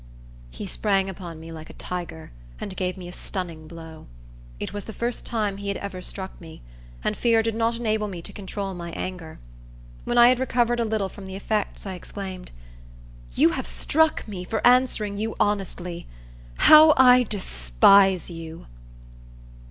He sprang upon me like a tiger, and gave me a stunning blow. It was the first time he had ever struck me; and fear did not enable me to control my anger. When I had recovered a little from the effects, I exclaimed, "You have struck me for answering you honestly. How I despise you!"